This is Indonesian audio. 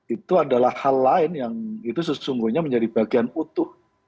itu adalah hal lain yang itu sesungguhnya menjadi bagian utuh